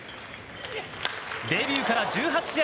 デビューから１８試合